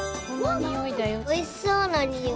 おいしそうなにおい。